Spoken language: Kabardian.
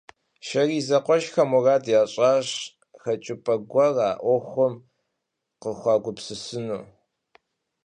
Шэрий зэкъуэшхэм мурад ящӏащ хэкӏыпӏэ гуэр а ӏуэхум къыхуагупсысыну.